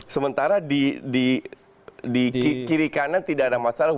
sementara di kiri kanan tidak ada masalah